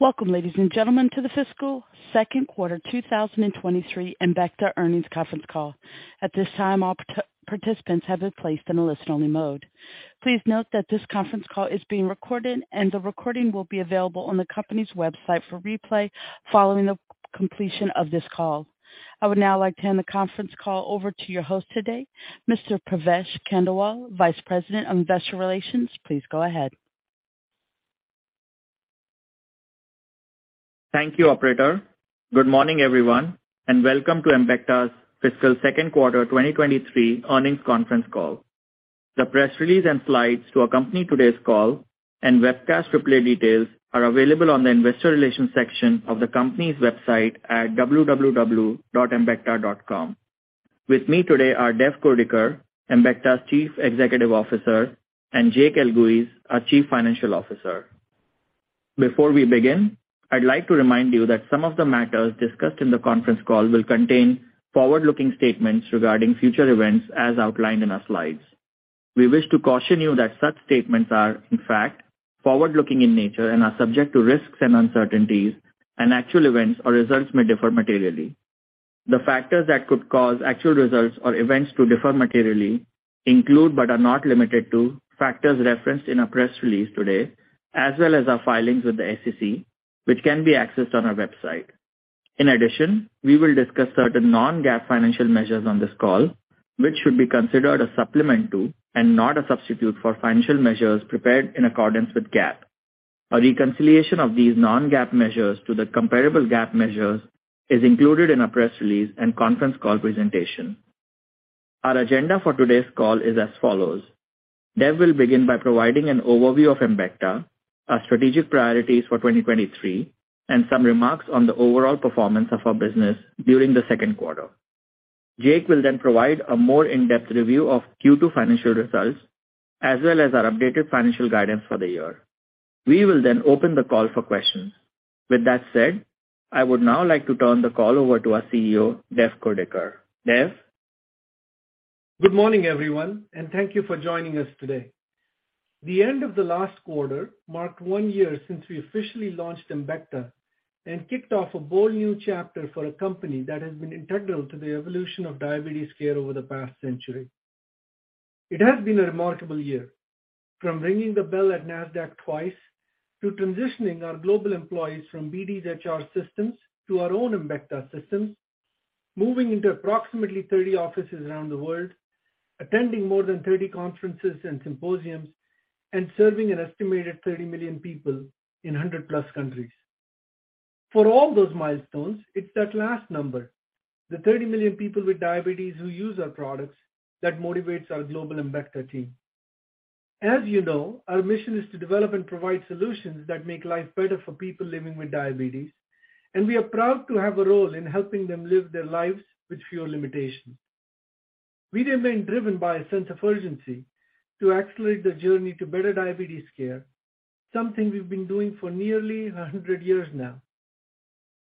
Welcome, ladies and gentlemen, to the fiscal Q2 2023 Embecta earnings conference call. At this time, all part-participants have been placed in a listen-only mode. Please note that this conference call is being recorded, and the recording will be available on the company's website for replay following the completion of this call. I would now like to hand the conference call over to your host today, Mr. Pravesh Khandelwal, Vice President of Investor Relations. Please go ahead. Thank you, operator. Good morning, everyone, and welcome to Embecta's fiscal Q2 2023 earnings conference call. The press release and slides to accompany today's call and webcast replay details are available on the investor relations section of the company's website at www.embecta.com. With me today are Devdatt Kurdikar, Embecta's Chief Executive Officer, and Jake Elguicze, our Chief Financial Officer. Before we begin, I'd like to remind you that some of the matters discussed in the conference call will contain forward-looking statements regarding future events as outlined in our slides. We wish to caution you that such statements are, in fact, forward-looking in nature and are subject to risks and uncertainties, and actual events or results may differ materially. The factors that could cause actual results or events to differ materially include, but are not limited to, factors referenced in our press release today, as well as our filings with the SEC, which can be accessed on our website. In addition, we will discuss certain non-GAAP financial measures on this call, which should be considered a supplement to and not a substitute for financial measures prepared in accordance with GAAP. A reconciliation of these non-GAAP measures to the comparable GAAP measures is included in our press release and conference call presentation. Our agenda for today's call is as follows. Dev will begin by providing an overview of Embecta, our strategic priorities for 2023, and some remarks on the overall performance of our business during the Q2.Jake will then provide a more in-depth review of Q2 financial results, as well as our updated financial guidance for the year. We will then open the call for questions. With that said, I would now like to turn the call over to our CEO, Devdatt Kurdikar. Dev? Good morning, everyone. Thank you for joining us today. The end of the last quarter marked one year since we officially launched Embecta and kicked off a bold new chapter for a company that has been integral to the evolution of diabetes care over the past century. It has been a remarkable year, from ringing the bell at Nasdaq twice to transitioning our global employees from BD's HR systems to our own Embecta systems, moving into approximately 30 offices around the world, attending more than 30 conferences and symposiums, and serving an estimated 30 million people in 100+ countries. For all those milestones, it's that last number, the 30 million people with diabetes who use our products, that motivates our global Embecta team. As you know, our mission is to develop and provide solutions that make life better for people living with diabetes, and we are proud to have a role in helping them live their lives with fewer limitations. We have been driven by a sense of urgency to accelerate the journey to better diabetes care, something we've been doing for nearly 100 years now.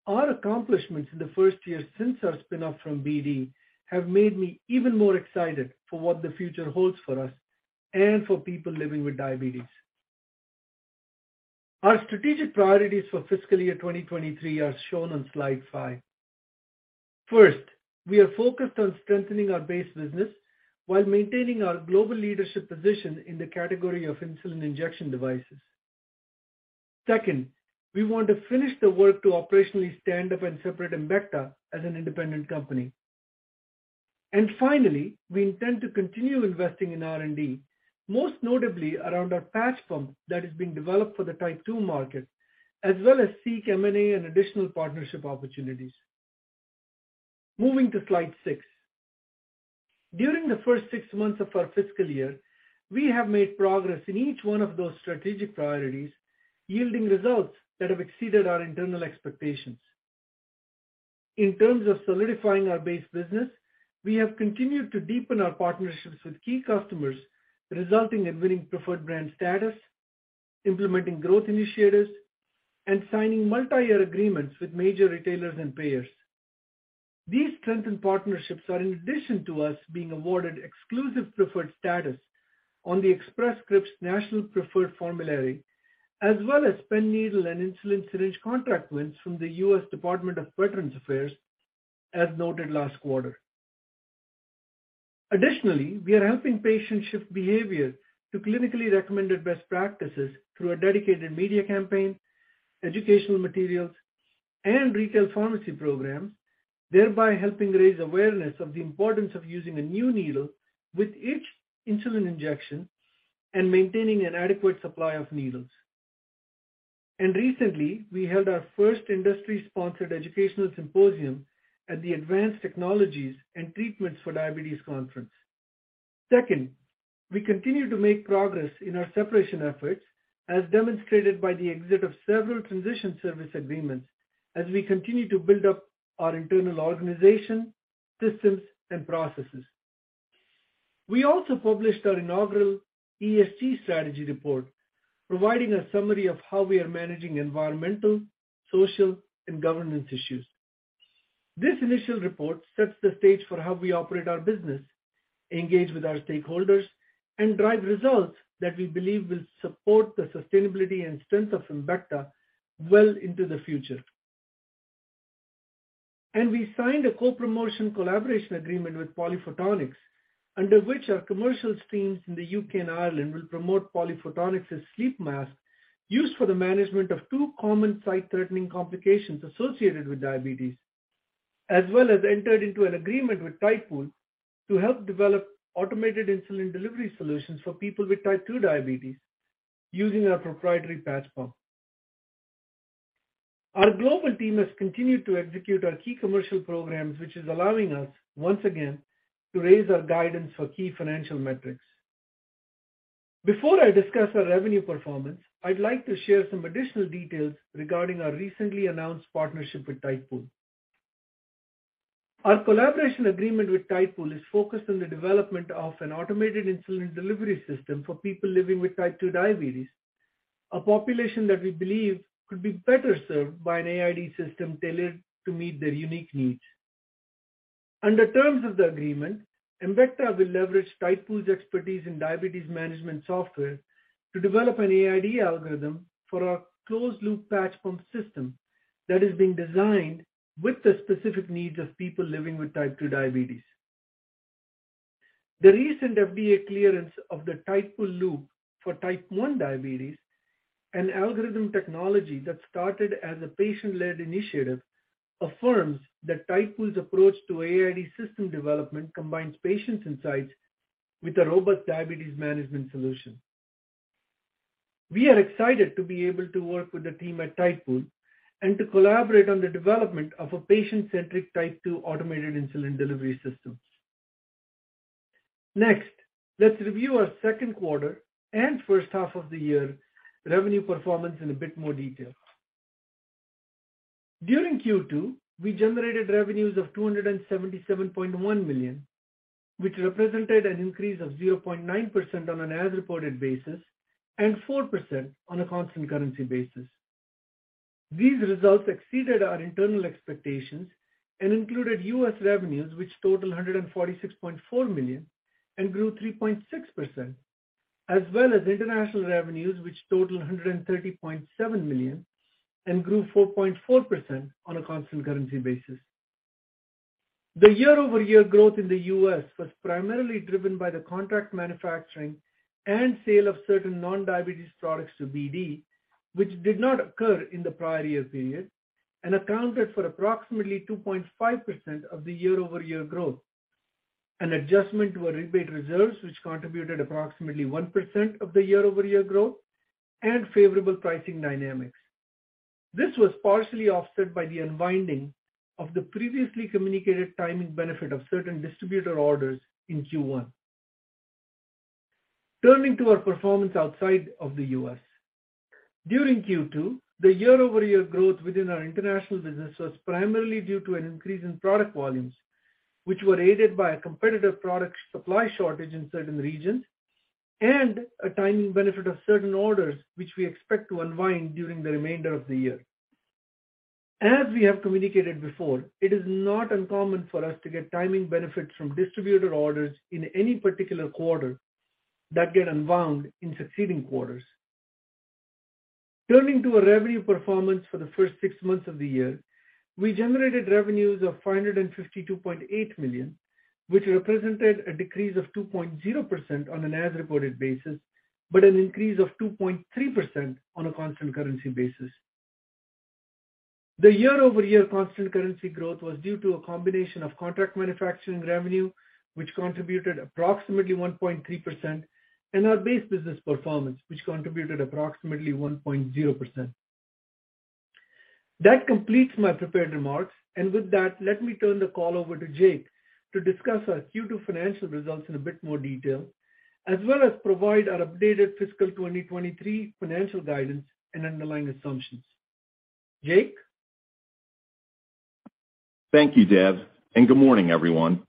Our accomplishments in the first year since our spin off from BD have made me even more excited for what the future holds for us and for people living with diabetes. Our strategic priorities for fiscal year 2023 are shown on slide five First, we are focused on strengthening our base business while maintaining our global leadership position in the category of insulin injection devices. Second, we want to finish the work to operationally stand up and separate Embecta as an independent company. Finally, we intend to continue investing in R&D, most notably around our patch pump that is being developed for the type 2 market, as well as seek M&A and additional partnership opportunities. Moving to slide six. During the first six months of our fiscal year, we have made progress in each one of those strategic priorities, yielding results that have exceeded our internal expectations. In terms of solidifying our base business, we have continued to deepen our partnerships with key customers, resulting in winning preferred brand status, implementing growth initiatives, and signing multi-year agreements with major retailers and payers. These strengthened partnerships are in addition to us being awarded exclusive preferred status on the Express Scripts National Preferred Formulary, as well as pen needle and insulin syringe contract wins from the U.S. Department of Veterans Affairs, as noted last quarter. Additionally, we are helping patients shift behavior to clinically recommended best practices through a dedicated media campaign, educational materials, and retail pharmacy programs, thereby helping raise awareness of the importance of using a new needle with each insulin injection and maintaining an adequate supply of needles. Recently, we held our first industry-sponsored educational symposium at the Advanced Technologies & Treatments for Diabetes conference. Second, we continue to make progress in our separation efforts, as demonstrated by the exit of several transition service agreements as we continue to build up our internal organization, systems, and processes. We also published our inaugural ESG strategy report, providing a summary of how we are managing environmental, social, and governance issues. This initial report sets the stage for how we operate our business, engage with our stakeholders, and drive results that we believe will support the sustainability and strength of Embecta well into the future. We signed a co-promotion collaboration agreement with PolyPhotonix, under which our commercial teams in the U.K. and Ireland will promote PolyPhotonix's sleep mask used for the management of two common sight-threatening complications associated with diabetes, as well as entered into an agreement with Tidepool to help develop automated insulin delivery solutions for people with type 2 diabetes using our proprietary patch pump. Our global team has continued to execute our key commercial programs, which is allowing us once again to raise our guidance for key financial metrics. Before I discuss our revenue performance, I'd like to share some additional details regarding our recently announced partnership with Tidepool. Our collaboration agreement with Tidepool is focused on the development of an automated insulin delivery system for people living with type 2 diabetes, a population that we believe could be better served by an AID system tailored to meet their unique needs. Under terms of the agreement, Embecta will leverage Tidepool's expertise in diabetes management software to develop an AID algorithm for our closed loop patch pump system that is being designed with the specific needs of people living with type 2 diabetes. The recent FDA clearance of the Tidepool Loop for type 1 diabetes and algorithm technology that started as a patient-led initiative affirms that Tidepool's approach to AID system development combines patient insights with a robust diabetes management solution. We are excited to be able to work with the team at Tidepool and to collaborate on the development of a patient-centric type 2 automated insulin delivery system. Let's review our Q2 and H1 revenue performance in a bit more detail. During Q2, we generated revenues of $277.1 million, which represented an increase of 0.9% on an as-reported basis and 4% on a constant currency basis. These results exceeded our internal expectations and included U.S. revenues, which totaled $146.4 million and grew 3.6%, as well as international revenues, which totaled $130.7 million and grew 4.4% on a constant currency basis. The year-over-year growth in the U.S. was primarily driven by the contract manufacturing and sale of certain non-diabetes products to BD, which did not occur in the prior year period and accounted for approximately 2.5% of the year-over-year growth. An adjustment to our rebate reserves, which contributed approximately 1% of the year-over-year growth and favorable pricing dynamics. This was partially offset by the unwinding of the previously communicated timing benefit of certain distributor orders in Q1. Turning to our performance outside of the U.S. During Q2, the year-over-year growth within our international business was primarily due to an increase in product volumes, which were aided by a competitive product supply shortage in certain regions and a timing benefit of certain orders, which we expect to unwind during the remainder of the year. As we have communicated before, it is not uncommon for us to get timing benefits from distributor orders in any particular quarter that get unwound in succeeding quarters. Turning to our revenue performance for the first six months of the year, we generated revenues of $552.8 million, which represented a decrease of 2.0% on an as-reported basis, but an increase of 2.3% on a constant currency basis. The year-over-year constant currency growth was due to a combination of contract manufacturing revenue, which contributed approximately 1.3%, and our base business performance, which contributed approximately 1.0%. That completes my prepared remarks. With that, let me turn the call over to Jake to discuss our Q2 financial results in a bit more detail, as well as provide our updated fiscal 2023 financial guidance and underlying assumptions. Jake? Thank you, Dev. Good morning, everyone.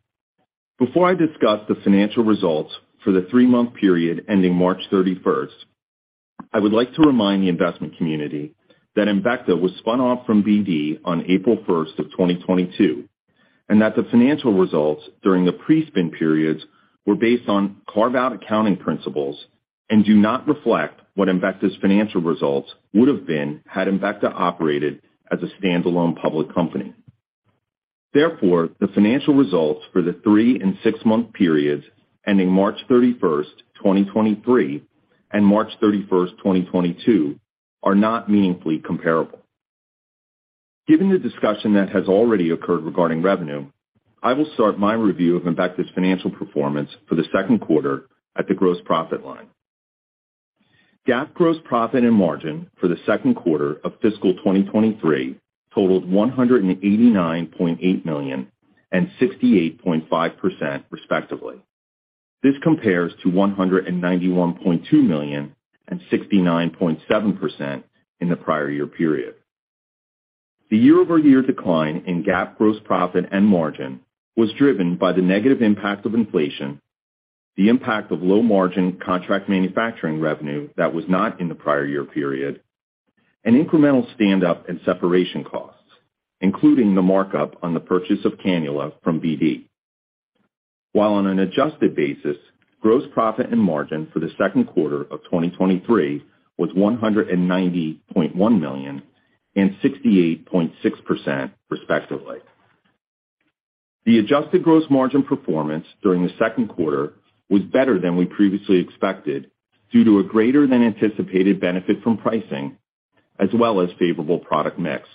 Before I discuss the financial results for the 3-month period ending March 31st, I would like to remind the investment community that Embecta was spun off from BD on April 1st, 2022, that the financial results during the pre-spin periods were based on carve-out accounting principles and do not reflect what Embecta's financial results would have been had Embecta operated as a standalone public company. Therefore, the financial results for the 3 and 6-month periods ending March 31st, 2023, and March 31st, 2022 are not meaningfully comparable. Given the discussion that has already occurred regarding revenue, I will start my review of Embecta's financial performance for the Q2 at the gross profit line. GAAP gross profit and margin for the Q2 of fiscal 2023 totaled $189.8 million and 68.5%, respectively. This compares to $191.2 million and 69.7% in the prior year period. The year-over-year decline in GAAP gross profit and margin was driven by the negative impact of inflation. The impact of low margin contract manufacturing revenue that was not in the prior year period. An incremental stand-up and separation costs, including the markup on the purchase of cannula from BD. On an adjusted basis, gross profit and margin for the Q2 of 2023 was $190.1 million and 68.6% respectively. The adjusted gross margin performance during the Q2 was better than we previously expected due to a greater than anticipated benefit from pricing as well as favorable product mix.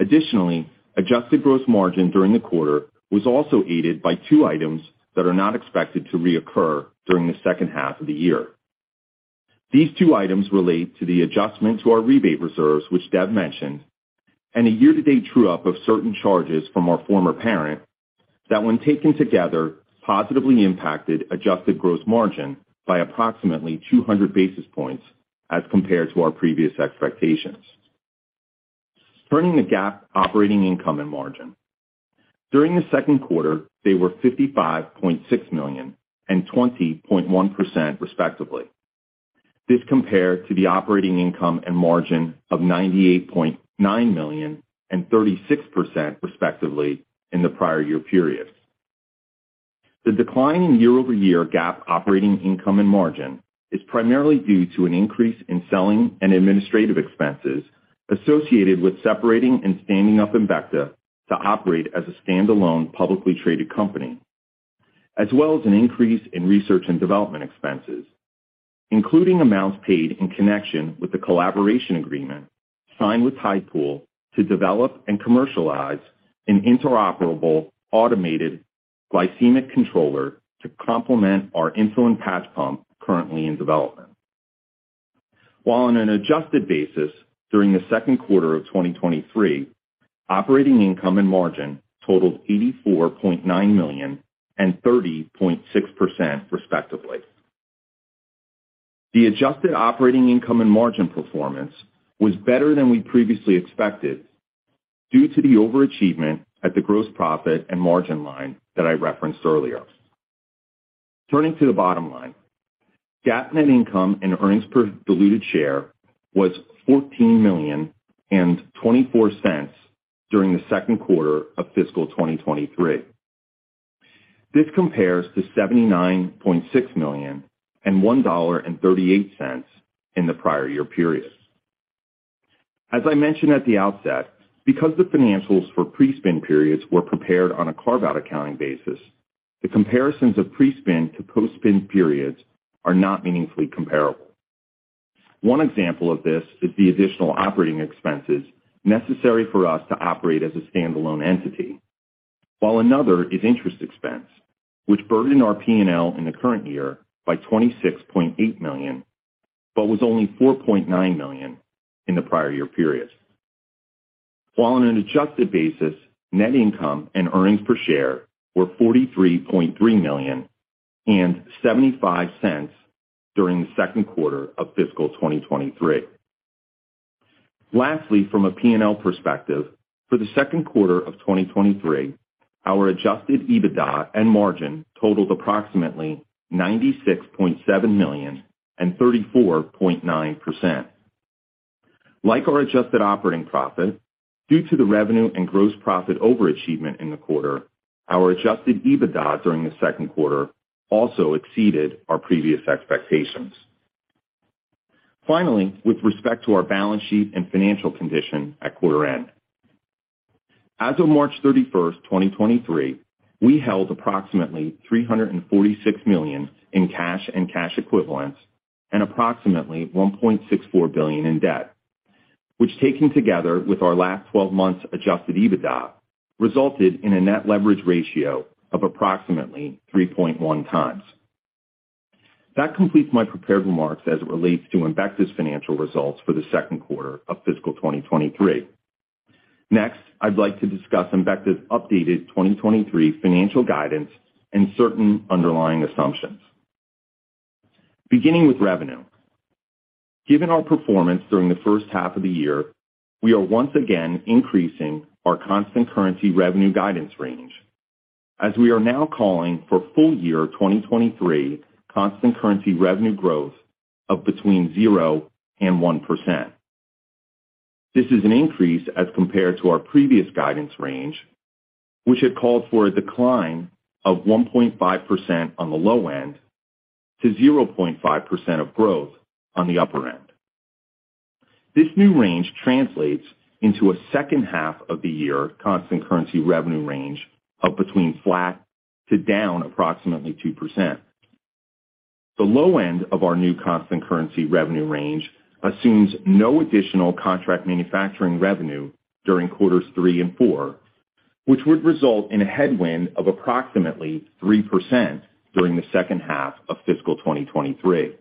Additionally, adjusted gross margin during the quarter was also aided by two items that are not expected to reoccur during the H2. These two items relate to the adjustment to our rebate reserves, which Dev mentioned, and a year-to-date true up of certain charges from our former parent that, when taken together, positively impacted adjusted gross margin by approximately 200 basis points as compared to our previous expectations. Turning to GAAP operating income and margin. During the Q2, they were $55.6 million and 20.1% respectively. This compared to the operating income and margin of $98.9 million and 36% respectively in the prior year period. The decline in year-over-year GAAP operating income and margin is primarily due to an increase in selling and administrative expenses associated with separating and standing up Embecta to operate as a standalone publicly traded company, as well as an increase in research and development expenses, including amounts paid in connection with the collaboration agreement signed with Tidepool to develop and commercialize an interoperable automated glycemic controller to complement our insulin patch pump currently in development. On an adjusted basis during the Q2 of 2023, operating income and margin totaled $84.9 million and 30.6% respectively. The adjusted operating income and margin performance was better than we previously expected due to the overachievement at the gross profit and margin line that I referenced earlier. Turning to the bottom line. GAAP net income and earnings per diluted share was $14 million and $0.24 during the Q2 of fiscal 2023. This compares to $79.6 million and $1.38 in the prior year period. As I mentioned at the outset, because the financials for pre-spin periods were prepared on a carve-out accounting basis, the comparisons of pre-spin to post-spin periods are not meaningfully comparable. One example of this is the additional operating expenses necessary for us to operate as a standalone entity, while another is interest expense, which burdened our PNL in the current year by $26.8 million, but was only $4.9 million in the prior year period. While on an adjusted basis, net income and earnings per share were $43.3 million and $0.75 during the Q2 of fiscal 2023. Lastly, from a PNL perspective, for the Q2 of 2023, our adjusted EBITDA and margin totaled approximately $96.7 million and 34.9%. Like our adjusted operating profit, due to the revenue and gross profit overachievement in the quarter, our adjusted EBITDA during the Q2 also exceeded our previous expectations. Finally, with respect to our balance sheet and financial condition at quarter end. As of March 31st, 2023, we held approximately $346 million in cash and cash equivalents and approximately $1.64 billion in debt, which, taken together with our last 12 months adjusted EBITDA, resulted in a net leverage ratio of approximately 3.1x. That completes my prepared remarks as it relates to Embecta's financial results for the Q2 of fiscal 2023. I'd like to discuss Embecta's updated 2023 financial guidance and certain underlying assumptions. Beginning with revenue. Given our performance during the H1, we are once again increasing our constant currency revenue guidance range as we are now calling for full year 2023 constant currency revenue growth of between 0% and 1%. This is an increase as compared to our previous guidance range, which had called for a decline of 1.5% on the low end to 0.5% of growth on the upper end. This new range translates into a H2 constant currency revenue range of between flat to down approximately 2%. The low end of our new constant currency revenue range assumes no additional contract manufacturing revenue during quarters three and four, which would result in a headwind of approximately 3% during the second half of fiscal 2023.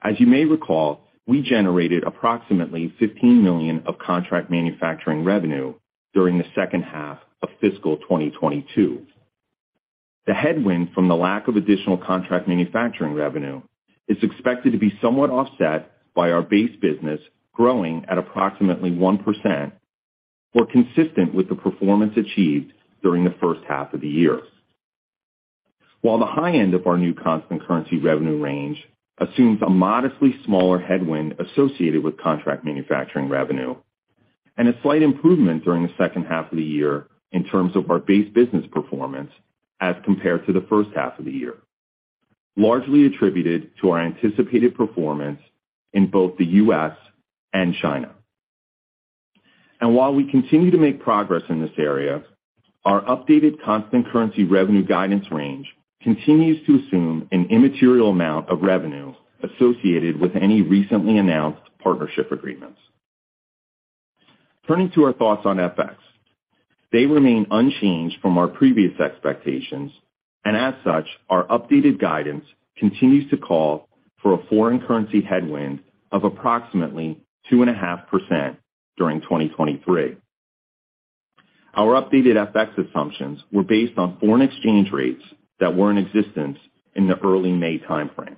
As you may recall, we generated approximately $15 million of contract manufacturing revenue during the second half of fiscal 2022. The headwind from the lack of additional contract manufacturing revenue is expected to be somewhat offset by our base business growing at approximately 1% or consistent with the performance achieved during the H1. While the high end of our new constant currency revenue range assumes a modestly smaller headwind associated with contract manufacturing revenue and a slight improvement during the H2 in terms of our base business performance as compared to the H1, largely attributed to our anticipated performance in both the US and China. While we continue to make progress in this area, our updated constant currency revenue guidance range continues to assume an immaterial amount of revenue associated with any recently announced partnership agreements. Turning to our thoughts on FX. They remain unchanged from our previous expectations, and as such, our updated guidance continues to call for a foreign currency headwind of approximately 2.5% during 2023. Our updated FX assumptions were based on foreign exchange rates that were in existence in the early May timeframe.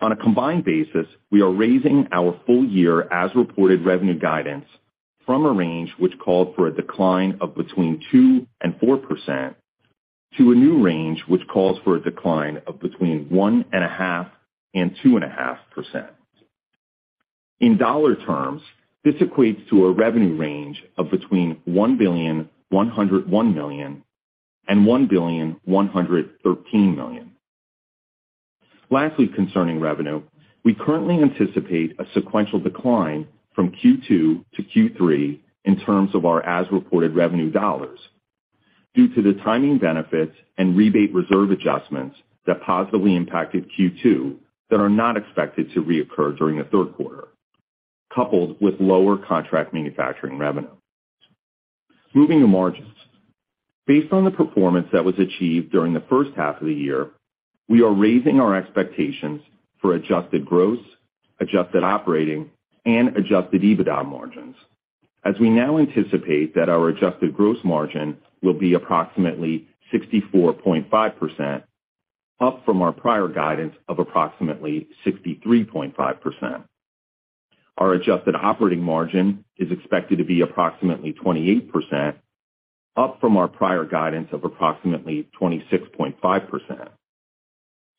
On a combined basis, we are raising our full year as reported revenue guidance from a range which called for a decline of between 2%-4% to a new range, which calls for a decline of between 1.5%-2.5%. In dollar terms, this equates to a revenue range of between $1,101 million and $1,113 million. Lastly, concerning revenue, we currently anticipate a sequential decline from Q2 toQ3 in terms of our as-reported revenue dollars due to the timing benefits and rebate reserve adjustments that positively impacted Q2 that are not expected to reoccur during the third quarter, coupled with lower contract manufacturing revenue. Moving to margins. Based on the performance that was achieved during the H1, we are raising our expectations for adjusted gross, adjusted operating, and adjusted EBITDA margins, as we now anticipate that our adjusted gross margin will be approximately 64.5%, up from our prior guidance of approximately 63.5%. Our adjusted operating margin is expected to be approximately 28%, up from our prior guidance of approximately 26.5%.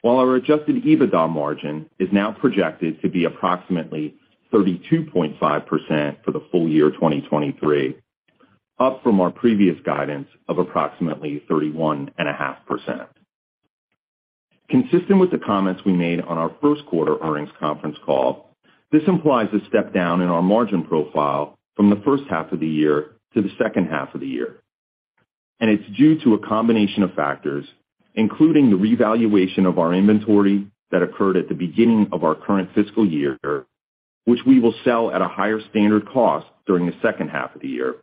While our adjusted EBITDA margin is now projected to be approximately 32.5% for the full year 2023, up from our previous guidance of approximately 31.5%. Consistent with the comments we made on our first quarter earnings conference call, this implies a step down in our margin profile from the H1 to the H2. It's due to a combination of factors, including the revaluation of our inventory that occurred at the beginning of our current fiscal year, which we will sell at a higher standard cost during the H2.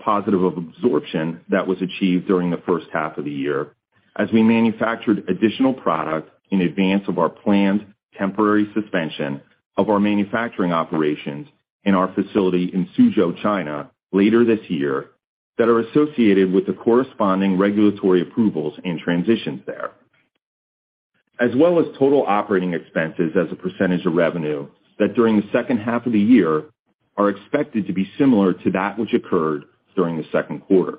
Positive of absorption that was achieved during the H1 as we manufactured additional products in advance of our planned temporary suspension of our manufacturing operations in our facility in Suzhou, China, later this year that are associated with the corresponding regulatory approvals and transitions t here. As well as total operating expenses as a percentage of revenue that during the H2 are expected to be similar to that which occurred during the Q2.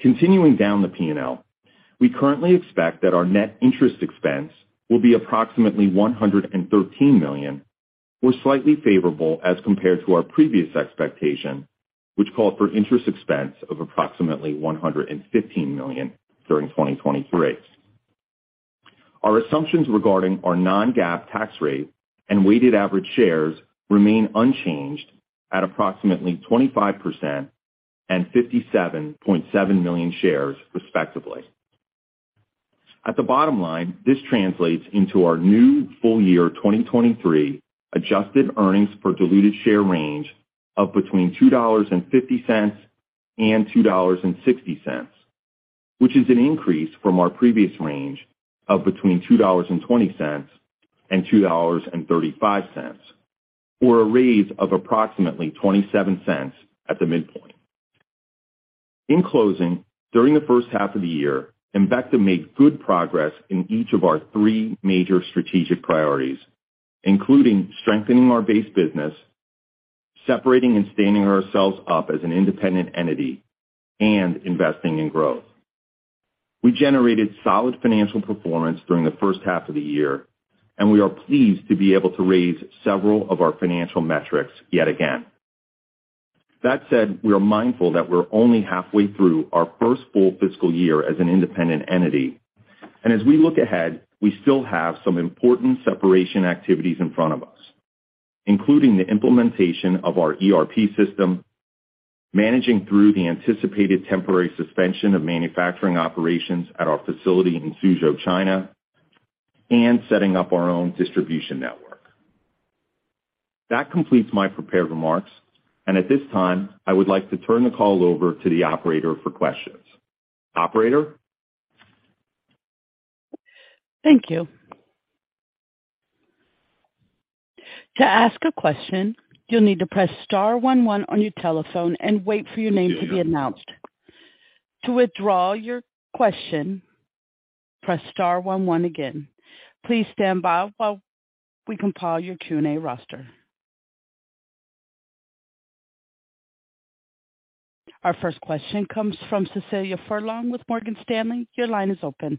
Continuing down the PNL, we currently expect that our net interest expense will be approximately $113 million or slightly favorable as compared to our previous expectation, which called for interest expense of approximately $115 million during 2023. Our assumptions regarding our non-GAAP tax rate and weighted average shares remain unchanged at approximately 25% and 57.7 million shares, respectively. At the bottom line, this translates into our new full year 2023 adjusted earnings per diluted share range of between $2.50 and $2.60, which is an increase from our previous range of between $2.20 and $2.35, or a raise of approximately $0.27 at the midpoint. In closing, during the H1, Embecta made good progress in each of our three major strategic priorities, including strengthening our base business, separating and standing ourselves up as an independent entity, and investing in growth. We generated solid financial performance during the H1, and we are pleased to be able to raise several of our financial metrics yet again. That said, we are mindful that we're only halfway through our first full fiscal year as an independent entity. As we look ahead, we still have some important separation activities in front of us, including the implementation of our ERP system, managing through the anticipated temporary suspension of manufacturing operations at our facility in Suzhou, China, and setting up our own distribution network. That completes my prepared remarks, and at this time, I would like to turn the call over to the Operator for questions. Operator? Thank you. To ask a question, you'll need to press star one one on your telephone and wait for your name to be announced. To withdraw your question, press star one one again. Please stand by while we compile your Q&A roster. Our first question comes from Cecilia Furlong with Morgan Stanley. Your line is open.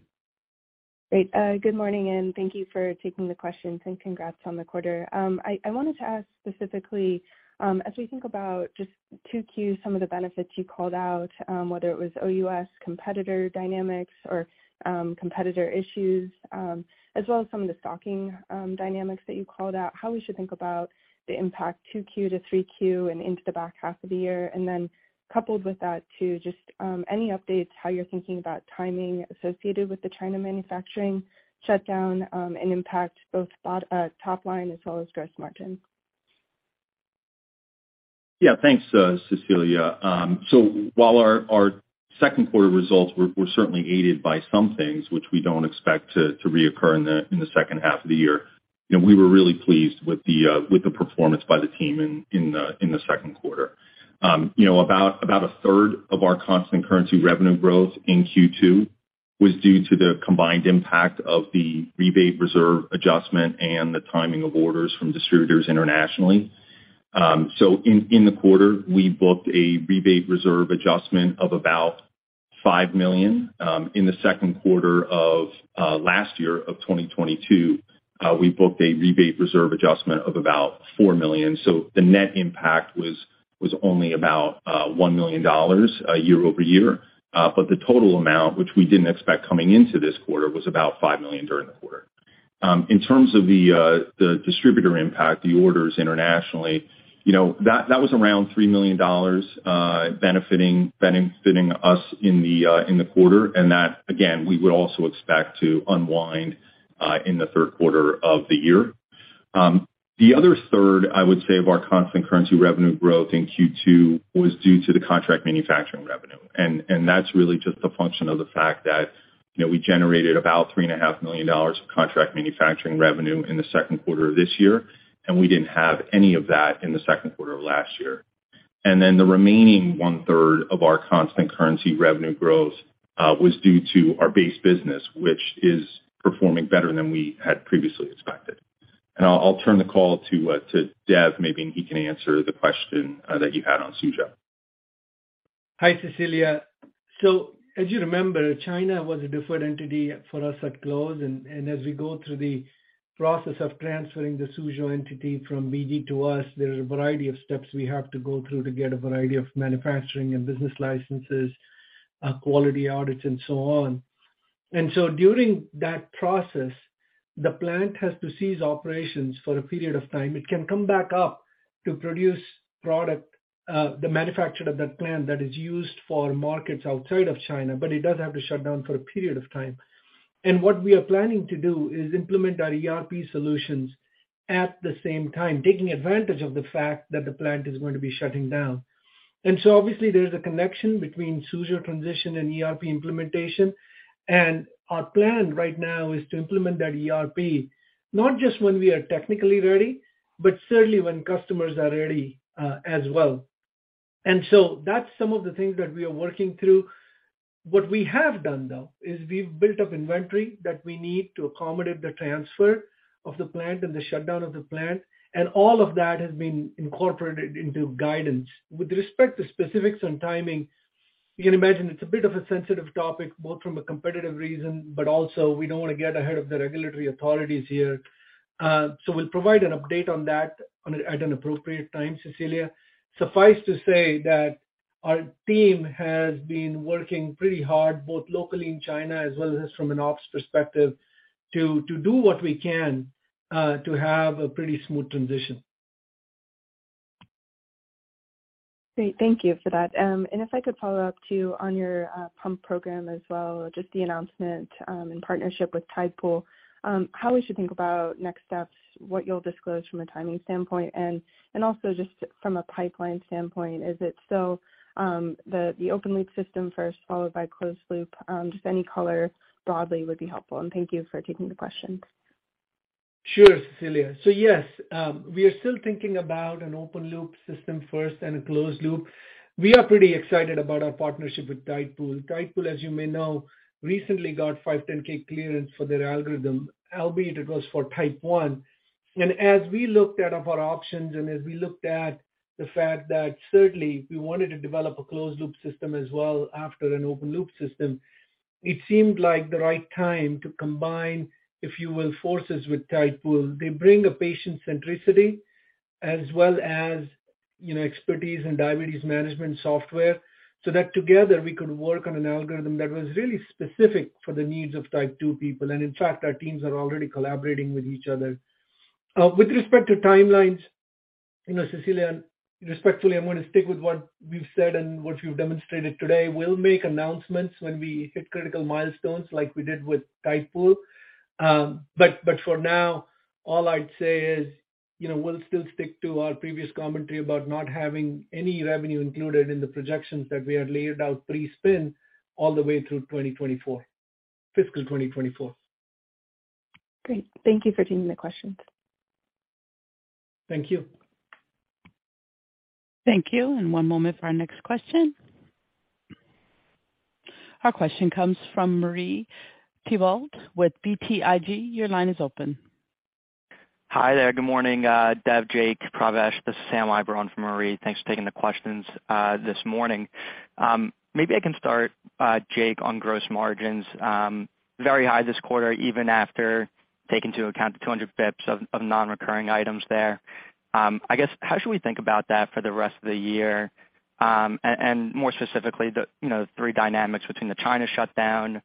Great. Good morning, and thank you for taking the questions and congrats on the quarter. I wanted to ask specifically, as we think about just 2Q, some of the benefits you called out, whether it was OUS competitor dynamics or competitor issues, as well as some of the stocking dynamics that you called out, how we should think about the impact 2Q to 3Q and into the back half of the year. Coupled with that too, just any updates how you're thinking about timing associated with the China manufacturing shutdown, and impact both top line as well as gross margin? Yeah. Thanks, Cecilia. While our Q2 results were certainly aided by some things which we don't expect to reoccur in the H2, you know, we were really pleased with the performance by the team in the Q2. You know a third of our constant currency revenue growth in Q2 was due to the combined impact of the rebate reserve adjustment and the timing of orders from distributors internationally. In the quarter, we booked a rebate reserve adjustment of about $5 million. In the Q2 of 2022, we booked a rebate reserve adjustment of about $4 million. The net impact was only about $1 million year-over-year. The total amount, which we didn't expect coming into this quarter, was about $5 million during the quarter. In terms of the distributor impact, the orders internationally, you know, that was around $3 million, benefiting us in the quarter. That again, we would also expect to unwind in the third quarter of the year. The other third, I would say, of our constant currency revenue growth in Q2 was due to the contract manufacturing revenue. That's really just a function of the fact that, you know, we generated about three and a half million dollars of contract manufacturing revenue in the Q2 of this year, and we didn't have any of that in the Q2 of last year. The remaining one third of our constant currency revenue growth was due to our base business, which is performing better than we had previously expected. I'll turn the call to Dev, maybe he can answer the question that you had on Suzhou. Hi, Cecilia. As you remember, China was a deferred entity for us at close. As we go through the process of transferring the Suzhou entity from BD to us, there's a variety of steps we have to go through to get a variety of manufacturing and business licenses, quality audits and so on. During that process, the plant has to cease operations for a period of time. It can come back up to produce product, the manufacture of that plant that is used for markets outside of China, but it does have to shut down for a period of time. What we are planning to do is implement our ERP solutions at the same time, taking advantage of the fact that the plant is going to be shutting down. Obviously there's a connection between Suzhou transition and ERP implementation. Our plan right now is to implement that ERP, not just when we are technically ready, but certainly when customers are ready, as well. That's some of the things that we are working through. What we have done though, is we've built up inventory that we need to accommodate the transfer of the plant and the shutdown of the plant, and all of that has been incorporated into guidance. With respect to specifics on timing, you can imagine it's a bit of a sensitive topic, both from a competitive reason, but also we don't want to get ahead of the regulatory authorities here. We'll provide an update on that at an appropriate time, Cecilia. Suffice to say that our team has been working pretty hard, both locally in China as well as from an ops perspective to do what we can, to have a pretty smooth transition. Great. Thank you for that. If I could follow up too on your pump program as well, just the announcement, in partnership with Tidepool, how we should think about next steps, what you'll disclose from a timing standpoint and also just from a pipeline standpoint, is it the open loop system first followed by closed loop? Just any color broadly would be helpful. Thank you for taking the questions. Sure, Cecilia. Yes, we are still thinking about an open loop system first and a closed loop. We are pretty excited about our partnership with Tidepool. Tidepool, as you may know, recently got 510k clearance for their algorithm, albeit it was for type 1. As we looked at of our options and as we looked at the fact that certainly we wanted to develop a closed loop system as well after an open loop system, it seemed like the right time to combine, if you will, forces with Tidepool. They bring a patient centricity as well as, you know, expertise in diabetes management software, so that together we could work on an algorithm that was really specific for the needs of type 2 people. In fact, our teams are already collaborating with each other. With respect to timelines, you know, Cecilia, respectfully, I'm going to stick with what we've said and what we've demonstrated today. We'll make announcements when we hit critical milestones like we did with Tidepool. For now, all I'd say is, you know, we'll still stick to our previous commentary about not having any revenue included in the projections that we had laid out pre-spin all the way through 2024, fiscal 2024. Great. Thank you for taking the questions. Thank you. Thank you. One moment for our next question. Our question comes from Marie Thibault with BTIG. Your line is open. Hi there. Good morning, Dev, Jake, Pravesh. This is Sam Eiber on for Marie. Thanks for taking the questions this morning. Maybe I can start, Jake, on gross margins. Very high this quarter, even after taking into account the 200 basis points of non-recurring items there. I guess, how should we think about that for the rest of the year? More specifically, the, you know, three dynamics between the China shutdown,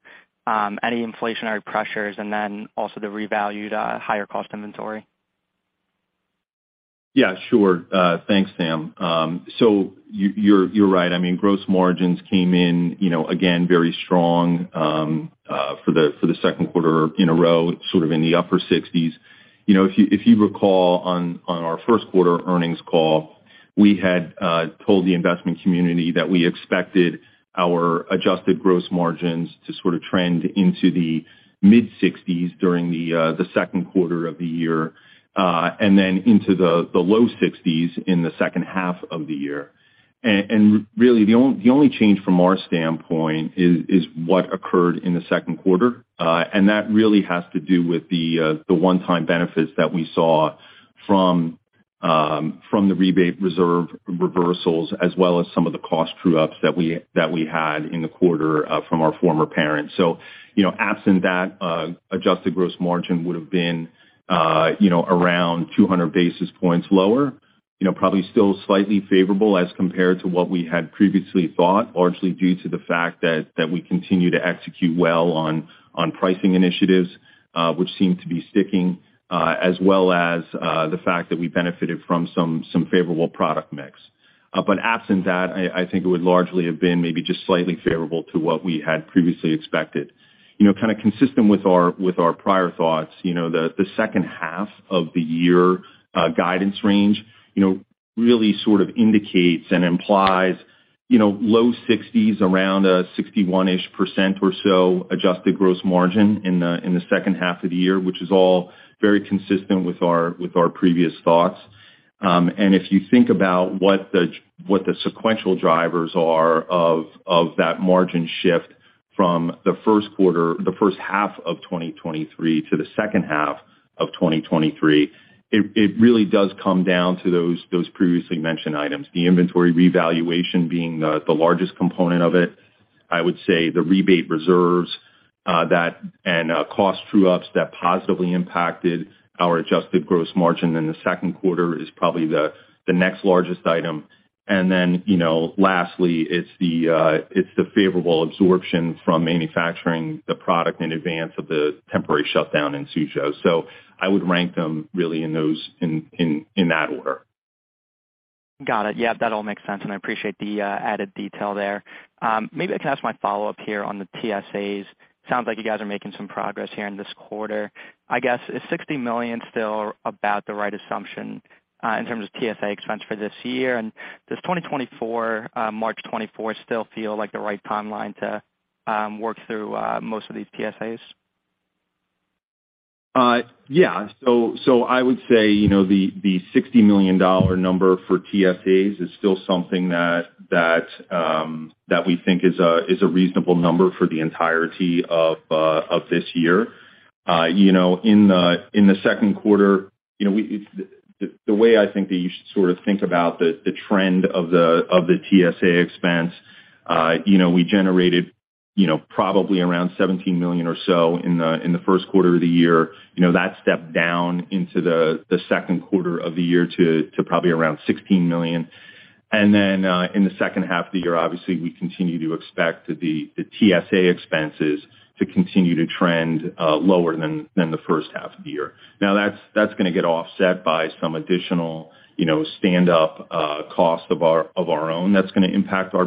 any inflationary pressures and then also the revalued, higher cost inventory. Yeah, sure. Thanks, Sam. You're right. I mean, gross margins came in, you know, again, very strong, for the Q2 in a row, sort of in the upper 60s. You know, if you recall on our first quarter earnings call, we had told the investment community that we expected our adjusted gross margins to sort of trend into the mid-60s during the Q2 of the year, and then into the low 60s in the H2. Really, the only change from our standpoint is what occurred in the Q2, and that really has to do with the one-time benefits that we saw from the rebate reserve reversals as well as some of the cost true-ups that we had in the quarter from our former parents. You know, absent that, adjusted gross margin would have been, you know, around 200 basis points lower, you know, probably still slightly favorable as compared to what we had previously thought, largely due to the fact that we continue to execute well on pricing initiatives, which seem to be sticking, as well as the fact that we benefited from some favorable product mix. Absent that, I think it would largely have been maybe just slightly favorable to what we had previously expected. You know, kind of consistent with our prior thoughts, you know, the H2 guidance range, you know, really sort of indicates and implies, you know, low 60s around a 61-ish% or so adjusted gross margin in the H2, which is all very consistent with our previous thoughts. If you think about what the sequential drivers are of that margin shift from the first half of 2023 to the second half of 2023, it really does come down to those previously mentioned items, the inventory revaluation being the largest component of it. I would say the rebate reserves, that and cost true ups that positively impacted our adjusted gross margin in the Q2 is probably the next largest item. Then, you know, lastly, it's the favorable absorption from manufacturing the product in advance of the temporary shutdown in Suzhou. I would rank them really in that order. Got it. Yeah, that all makes sense, and I appreciate the added detail there. Maybe I can ask my follow-up here on the TSAs. Sounds like you guys are making some progress here in this quarter. I guess, is $60 million still about the right assumption in terms of TSA expense for this year? Does 2024, March 2024 still feel like the right timeline to work through most of these TSAs? Yeah. I would say, you know, the $60 million number for TSAs is still something that we think is a reasonable number for the entirety of this year. You know, in the Q2, you know, the way I think that you should sort of think about the trend of the TSA expense, you know, we generated, you know, probably around $17 million or so in the first quarter of the year. You know, that stepped down into the Q2 of the year to probably around $16 million. In the H2, obviously we continue to expect the TSA expenses to continue to trend lower than the H1. Now that's gonna get offset by some additional, you know, stand up cost of our own that's gonna impact our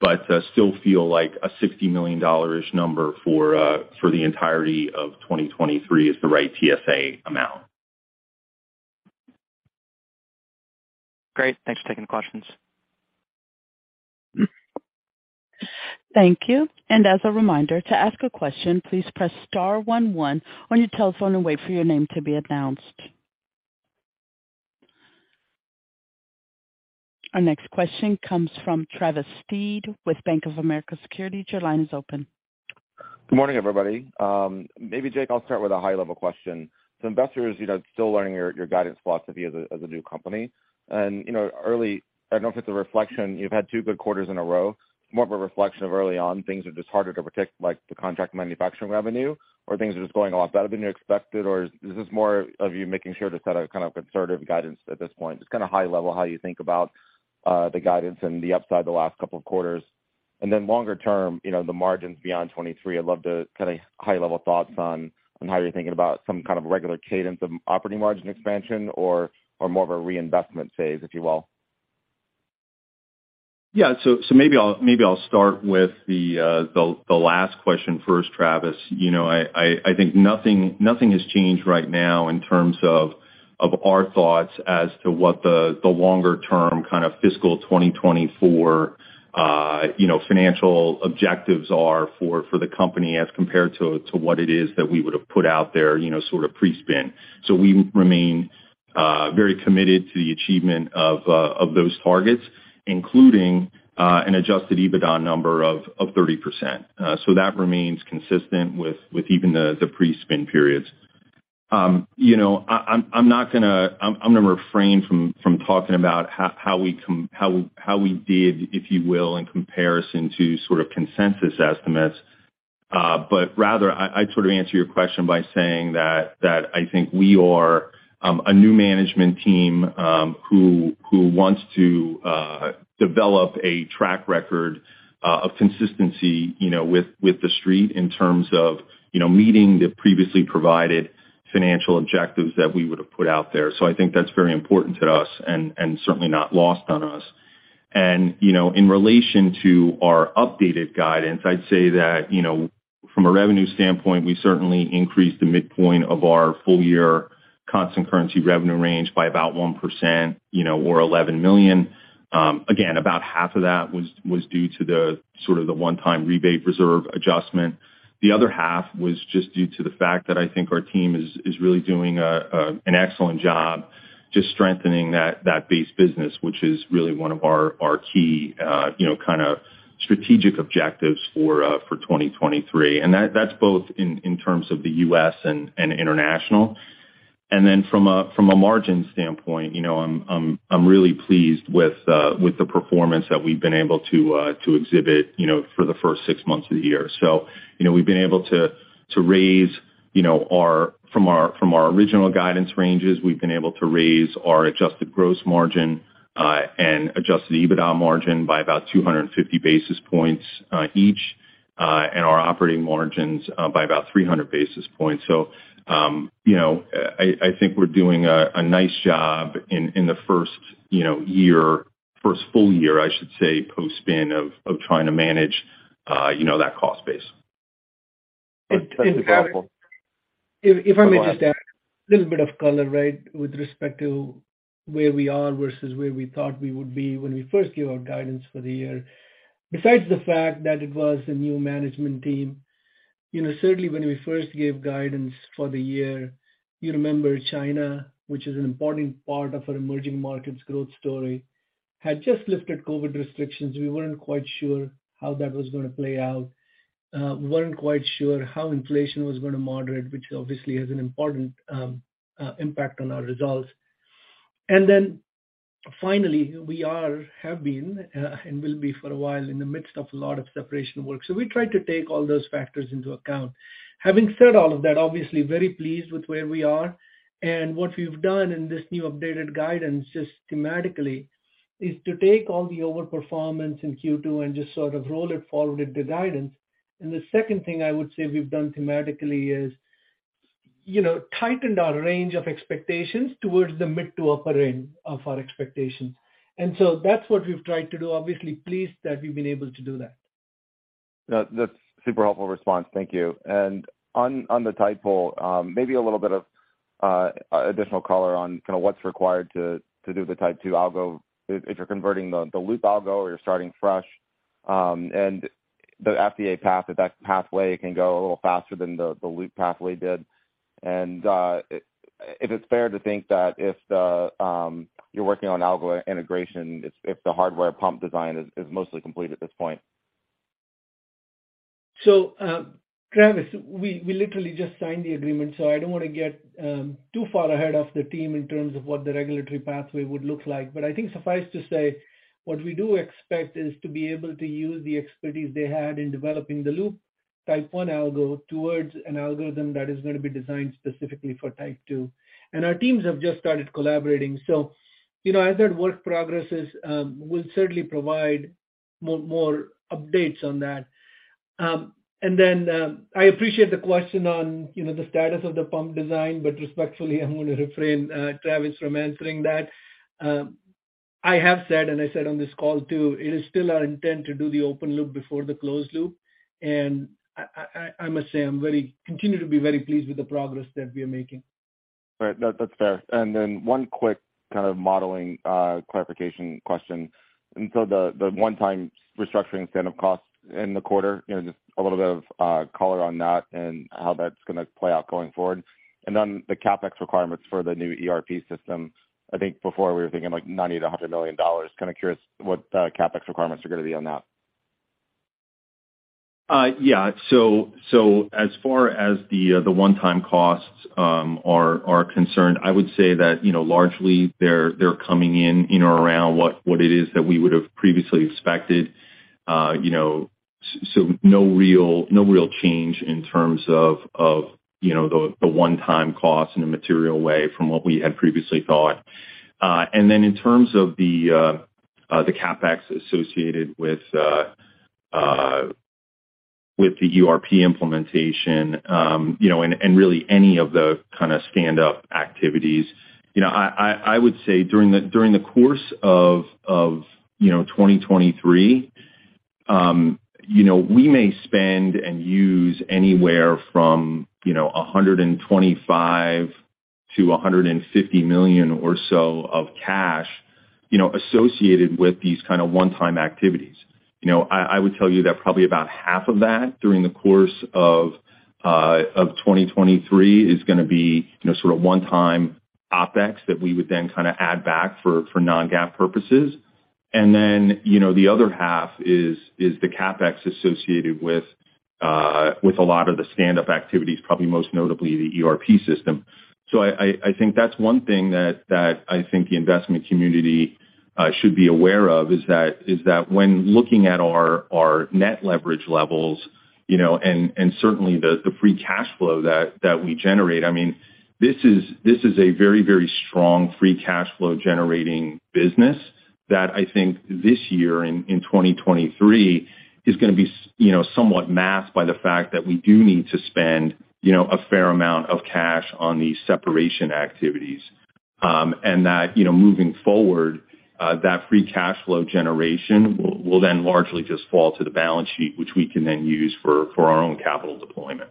P&L. I still feel like a $60 million-ish number for the entirety of 2023 is the right TSA amount. Great. Thanks for taking the questions. Thank you. As a reminder to ask a question, please press star one one on your telephone and wait for your name to be announced. Our next question comes from Travis Steed with Bank of America Securities. Your line is open. Good morning, everybody. Maybe Jake, I'll start with a high-level question. Investors, you know, still learning your guidance philosophy as a new company and, you know, early. I don't know if it's a reflection. You've had two good quarters in a row. It's more of a reflection of early on, things are just harder to predict, like the contract manufacturing revenue or things are just going a lot better than you expected. Is this more of you making sure to set a kind of conservative guidance at this point? Just kind of high level, how you think about the guidance and the upside the last couple of quarters. Then longer term, you know, the margins beyond 23. I'd love to kind of high-level thoughts on how you're thinking about some kind of regular cadence of operating margin expansion or more of a reinvestment phase, if you will. Yeah. Maybe I'll start with the last question first, Travis. You know, I think nothing has changed right now in terms of our thoughts as to what the longer term kind of fiscal 2024, you know, financial objectives are for the company as compared to what it is that we would have put out there, you know, sort of pre-spin. We remain very committed to the achievement of those targets, including an adjusted EBITDA number of 30%. That remains consistent with even the pre-spin periods. You know, I'm gonna refrain from talking about how we did, if you will, in comparison to sort of consensus estimates. But rather I sort of answer your question by saying that I think we are a new management team who wants to develop a track record of consistency, you know, with the street in terms of, you know, meeting the previously provided financial objectives that we would have put out there. I think that's very important to us and certainly not lost on us. You know, in relation to our updated guidance, I'd say that, you know, from a revenue standpoint, we certainly increased the midpoint of our full year constant currency revenue range by about 1%, you know, or $11 million. Again, about half of that was due to the sort of the one-time rebate reserve adjustment. The other half was just due to the fact that I think our team is really doing an excellent job just strengthening that base business, which is really one of our key, you know, kind of strategic objectives for 2023. That's both in terms of the U.S. and international. Then from a margin standpoint, you know, I'm really pleased with the performance that we've been able to exhibit, you know, for the first six months of the year. You know, we've been able to raise, you know, from our original guidance ranges, we've been able to raise our adjusted gross margin, and adjusted EBITDA margin by about 250 basis points, each, and our operating margins, by about 300 basis points. You know, I think we're doing a nice job in the first, you know, year, first full year, I should say, post-spin of trying to manage, you know, that cost base. If I may just add a little bit of color, right, with respect to where we are versus where we thought we would be when we first gave our guidance for the year. Besides the fact that it was a new management team, you know, certainly when we first gave guidance for the year, you remember China, which is an important part of our emerging markets growth story, had just lifted COVID restrictions. We weren't quite sure how that was gonna play out. We weren't quite sure how inflation was gonna moderate, which obviously has an important impact on our results. Finally, we are, have been, and will be for a while in the midst of a lot of separation work. We try to take all those factors into account. Having said all of that, obviously very pleased with where we are and what we've done in this new updated guidance just thematically, is to take all the overperformance in Q2 and just sort of roll it forward with the guidance. The second thing I would say we've done thematically is, you know, tightened our range of expectations towards the mid to upper end of our expectations. That's what we've tried to do. Obviously pleased that we've been able to do that. That's super helpful response. Thank you. On, on the Tidepool, maybe a little bit of additional color on kinda what's required to do the type 2 algo if you're converting the Loop algo or you're starting fresh, and the FDA path, if that pathway can go a little faster than the Loop pathway did. If it's fair to think that if you're working on algo integration, if the hardware pump design is mostly complete at this point. Travis, we literally just signed the agreement, so I don't wanna get too far ahead of the team in terms of what the regulatory pathway would look like. I think suffice to say, what we do expect is to be able to use the expertise they had in developing the loop type 1 algo towards an algorithm that is gonna be designed specifically for type 2. Our teams have just started collaborating. You know, as that work progresses, we'll certainly provide more updates on that. I appreciate the question on, you know, the status of the pump design, but respectfully, I'm gonna refrain, Travis, from answering that. I have said, and I said on this call too, it is still our intent to do the open loop before the closed loop. I must say, I continue to be very pleased with the progress that we are making. Right. That's fair. Then one quick kind of modeling clarification question. The one-time restructuring standup costs in the quarter, you know, just a little bit of color on that and how that's gonna play out going forward. Then the CapEx requirements for the new ERP system. I think before we were thinking like $90-$100 million. Kinda curious what CapEx requirements are gonna be on that. Yeah. As far as the one-time costs are concerned, I would say that, you know, largely they're coming in or around what it is that we would have previously expected. You know, no real change in terms of, you know, the one-time cost in a material way from what we had previously thought. In terms of the CapEx associated with the ERP implementation, you know, and really any of the kinda standup activities. You know, I would say during the course of, you know, 2023, you know, we may spend and use anywhere from, you know, $125-$150 million or so of cash, you know, associated with these kind of one-time activities. You know, I would tell you that probably about half of that during the course of 2023 is gonna be, you know, sort of one-time OpEx that we would then kind of add back for non-GAAP purposes. Then, you know, the other half is the CapEx associated with a lot of the stand-up activities, probably most notably the ERP system. I think that's one thing that I think the investment community should be aware of, is that when looking at our net leverage levels, you know, and certainly the free cash flow that we generate, I mean, this is a very strong free cash flow generating business that I think this year in 2023 is gonna be you know, somewhat masked by the fact that we do need to spend, you know, a fair amount of cash on these separation activities. That, you know, moving forward, that free cash flow generation will then largely just fall to the balance sheet, which we can then use for our own capital deployment.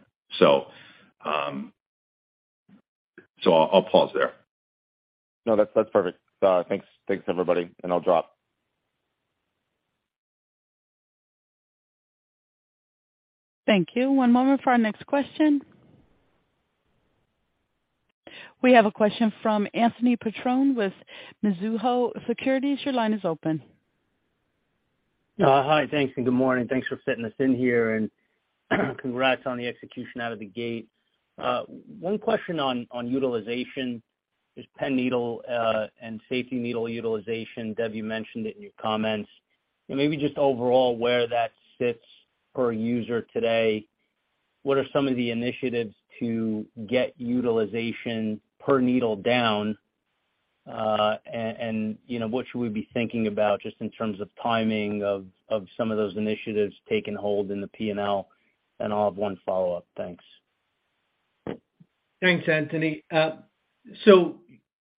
I'll pause there. No, that's perfect. Thanks, everybody, and I'll drop. Thank you. One moment for our next question. We have a question from Anthony Petrone with Mizuho Securities. Your line is open. Hi, thanks and good morning. Thanks for fitting us in here, and congrats on the execution out of the gate. One question on utilization is pen needle and safety needle utilization. Dev, you mentioned it in your comments. Maybe just overall where that sits per user today. What are some of the initiatives to get utilization per needle down? You know, what should we be thinking about just in terms of timing of some of those initiatives taking hold in the PNL? I'll have one follow-up. Thanks. Thanks, Anthony.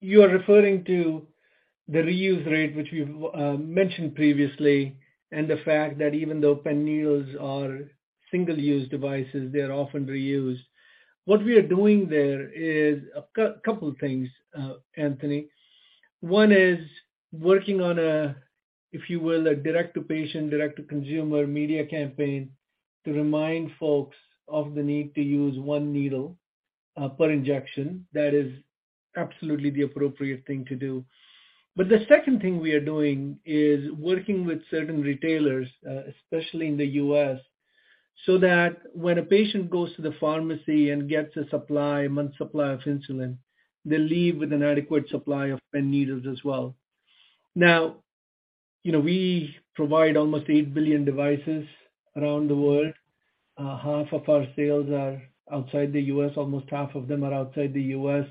You're referring to the reuse rate, which we've mentioned previously, and the fact that even though pen needles are single-use devices, they are often reused. What we are doing there is a couple things, Anthony. One is working on a, if you will, a direct to patient, direct to consumer media campaign to remind folks of the need to use one needle per injection. That is absolutely the appropriate thing to do. The second thing we are doing is working with certain retailers, especially in the U.S., so that when a patient goes to the pharmacy and gets a supply, a month's supply of insulin, they leave with an adequate supply of pen needles as well. You know, we provide almost 8 billion devices around the world. Half of our sales are outside the U.S. Almost half of them are outside the U.S.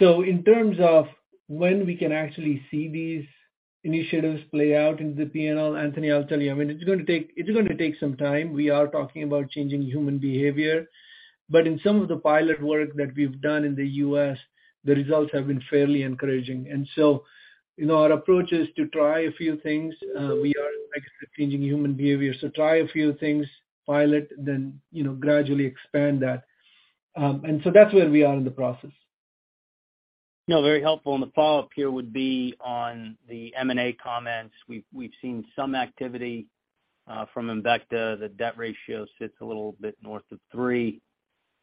In terms of when we can actually see these initiatives play out into the PNL, Anthony, I'll tell you, I mean, it's gonna take some time. We are talking about changing human behavior. In some of the pilot work that we've done in the U.S., the results have been fairly encouraging. You know, our approach is to try a few things. We are changing human behavior, so try a few things, pilot, then, you know, gradually expand that. That's where we are in the process. The follow-up here would be on the M&A comments. We've seen some activity from Embecta. The debt ratio sits a little bit north of three.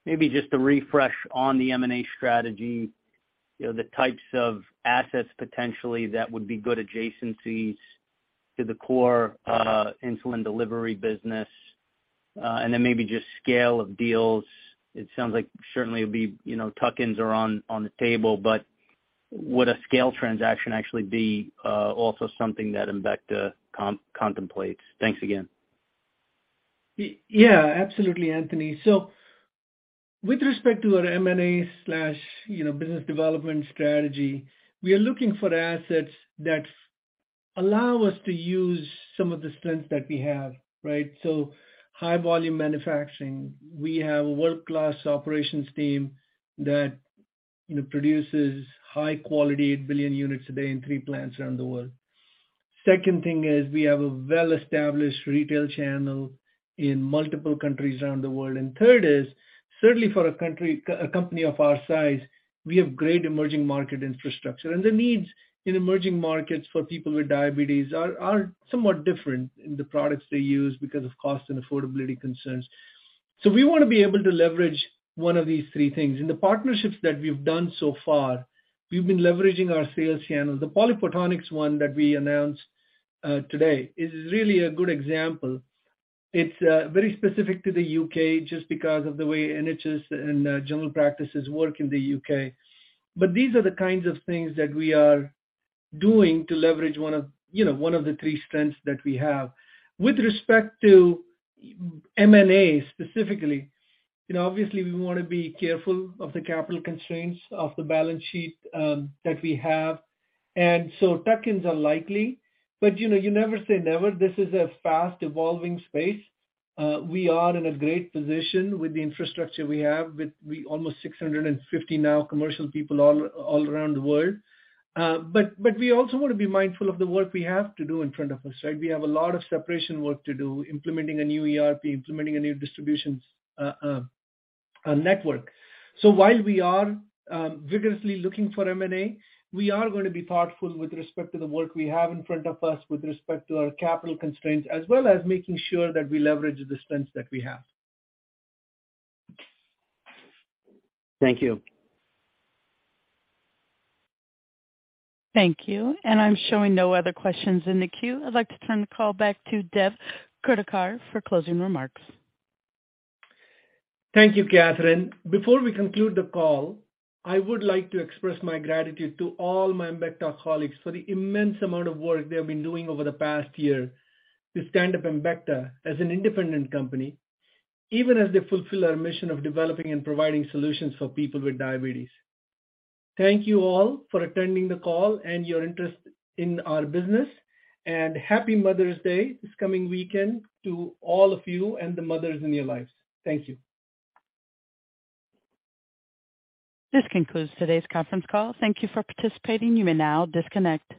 Maybe just a refresh on the M&A strategy, you know, the types of assets potentially that would be good adjacencies to the core insulin delivery business. Then maybe just scale of deals. It sounds like certainly it'll be, you know, tuck-ins are on the table, but would a scale transaction actually be also something that Embecta contemplates? Thanks again. Yeah, absolutely, Anthony. With respect to our M&A slash, you know, business development strategy, we are looking for assets that allow us to use some of the strengths that we have, right? High volume manufacturing. We have a world-class operations team that, you know, produces high quality, 8 billion units a day in three plants around the world. Second thing is we have a well-established retail channel in multiple countries around the world. Third is, certainly for a company of our size, we have great emerging market infrastructure. The needs in emerging markets for people with diabetes are somewhat different in the products they use because of cost and affordability concerns. We wanna be able to leverage one of these three things. In the partnerships that we've done so far, we've been leveraging our sales channels. The PolyPhotonix one that we announced today is really a good example. It's very specific to the U.K. just because of the way NHS and general practices work in the U.K. These are the kinds of things that we are doing to leverage one of, you know, one of the three strengths that we have. With respect to M&A specifically, you know, obviously we wanna be careful of the capital constraints of the balance sheet that we have. Tuck-ins are likely, but you know, you never say never. This is a fast evolving space. We are in a great position with the infrastructure we have with we almost 650 now commercial people all around the world. We also wanna be mindful of the work we have to do in front of us, right? We have a lot of separation work to do, implementing a new ERP, implementing a new distributions, network. While we are vigorously looking for M&A, we are gonna be thoughtful with respect to the work we have in front of us, with respect to our capital constraints, as well as making sure that we leverage the strengths that we have. Thank you. Thank you. I'm showing no other questions in the queue. I'd like to turn the call back to Dev Kurdikar for closing remarks. Thank you, Catherine. Before we conclude the call, I would like to express my gratitude to all my Embecta colleagues for the immense amount of work they have been doing over the past year to stand up Embecta as an independent company, even as they fulfill our mission of developing and providing solutions for people with diabetes. Thank you all for attending the call and your interest in our business. Happy Mother's Day this coming weekend to all of you and the mothers in your lives. Thank you. This concludes today's conference call. Thank you for participating. You may now disconnect.